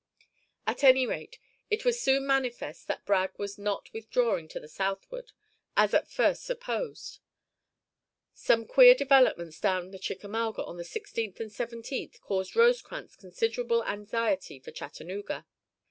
At any rate it was soon manifest that Bragg was not withdrawing to the southward, as at first supposed. Some queer developments down the Chickamauga on the 16th and 17th caused Rosecrans considerable anxiety for Chattanooga.